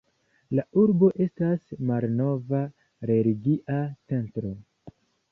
La urbo estas malnova religia centro.